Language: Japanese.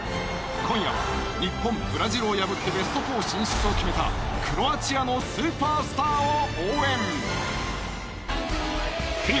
今夜は日本ブラジルを破ってベスト４進出を決めたクロアチアのスーパースターを応援！